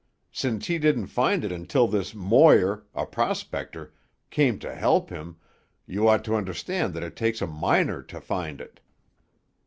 Since he didn't find it until this Moir, a prospector, came to help him, you ought to understand that it takes a miner to find it.